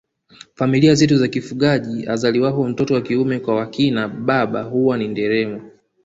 Familia zetu za kifugaji azaliwapo mtoto wa kiume kwa wakina baba huwa ni nderemo